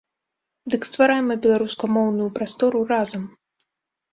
Дык стварайма беларускамоўную прастору разам!